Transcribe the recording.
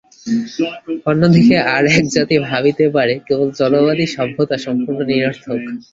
অন্যদিকে আর এক জাতি ভাবিতে পারে, কেবল জড়বাদী সভ্যতা সম্পূর্ণ নিরর্থক।